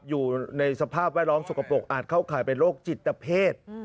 อยู่ในสภาพแวดล้อมสกปรกอาจเข้าข่ายเป็นโรคจิตเพศ